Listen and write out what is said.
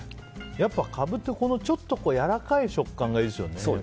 やっぱカブってちょっとやわらかい食感がいいですよね。